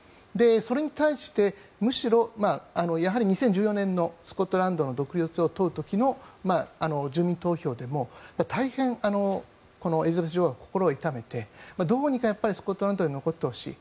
それに対してむしろ、２０１４年のスコットランドの独立を問う時の住民投票でも大変、エリザベス女王は心を痛めて、どうにかスコットランドに残ってほしい。